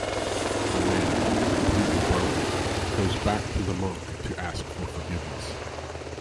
The man, completely broken, goes back to the monk to ask for forgiveness.